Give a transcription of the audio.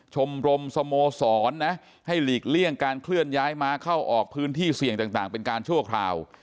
ชมรมสโมสรนะให้หลีกเลี่ยงการเคลื่อนย้ายม้าเข้าออกพื้นที่เสี่ยงต่างเป็นการชั่วคราว